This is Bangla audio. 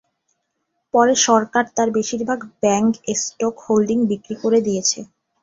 পরে সরকার তার বেশিরভাগ ব্যাংক স্টক হোল্ডিং বিক্রি করে দিয়েছে।